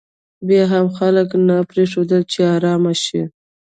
بیا هم خلکو نه پرېښوده چې ارام شي.